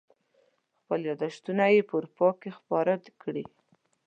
خپل یاداشتونه یې په اروپا کې خپاره کړي.